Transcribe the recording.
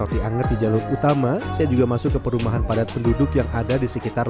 roti anget di jalur utama saya juga masuk ke perumahan padat penduduk yang ada di sekitar